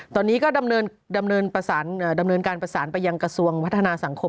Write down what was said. ตอนนี้ก็ดำเนินการประสานไปยังกระทรวงพัฒนาสังคม